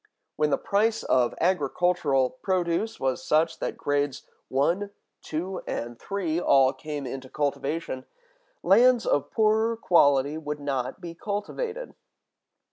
When the price of agricultural produce was such that grades one, two, and three all came into cultivation, lands of poorer quality would not be cultivated.